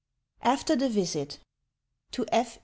AFTER THE VISIT (_To F.